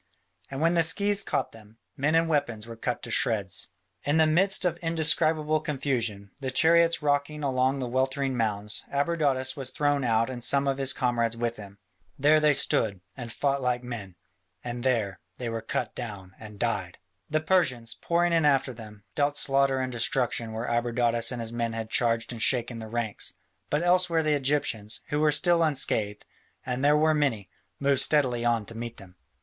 And where the scythes caught them, men and weapons were cut to shreds. In the midst of indescribable confusion, the chariots rocking among the weltering mounds, Abradatas was thrown out and some of his comrades with him. There they stood, and fought like men, and there they were cut down and died. The Persians, pouring in after them, dealt slaughter and destruction where Abradatas and his men had charged and shaken the ranks, but elsewhere the Egyptians, who were still unscathed, and they were many, moved steadily on to meet them.